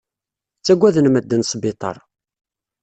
Ttagaden medden sbiṭar.